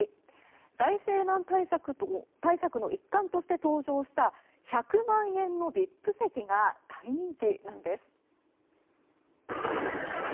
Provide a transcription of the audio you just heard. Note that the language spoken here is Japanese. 財政難対策の一環として登場した１００万円のＶＩＰ席が大人気なんです。